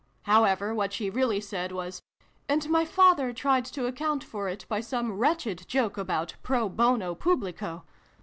" However what she really said was "and my father tried to ac count for it by some wretched joke about pro bono publico.